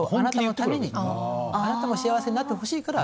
あなたも幸せになってほしいから。